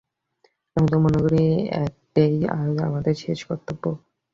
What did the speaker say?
আমি তো মনে করি এইটেই আজ আমাদের শেষ কর্তব্য।